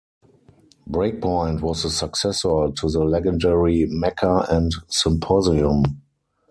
Breakpoint was the successor to the legendary Mekka and Symposium.